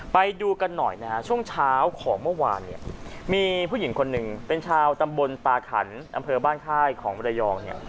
ไปดูกันหน่อยนะฮะช่วงเช้าของเมื่อวานเนี่ยมีผู้หญิงคนหนึ่งเป็นชาวตำบลตาขันอำเภอบ้านค่ายของมรยองเนี่ย